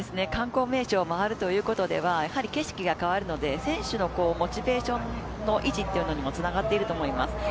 観光名所もあるということで景色が変わるので、選手のモチベーションの維持にもつながっていると思います。